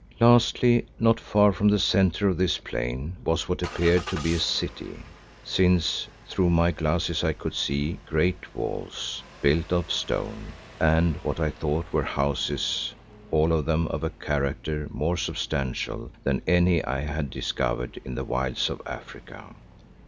Lastly, not far from the centre of this plain was what appeared to be a city, since through my glasses I could see great walls built of stone, and what I thought were houses, all of them of a character more substantial than any that I had discovered in the wilds of Africa.